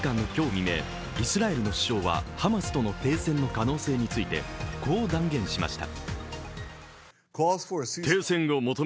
未明、イスラエルの首相はハマスとの停戦の可能性についてこう断言しました。